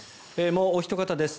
もうおひと方です。